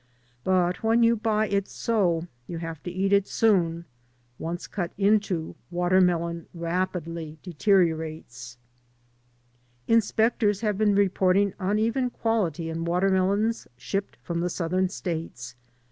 But when you buy it so, you have to eat it soon. Once cut into, watermelon rapidly deteriorates. Inspectors have been reporting uneven quality in watermelons shipped from the Southern states.